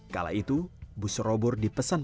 kala itu bus robur dipesan pemerintah